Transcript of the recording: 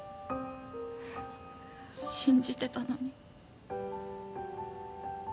信じてたのに。